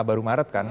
baru maret kan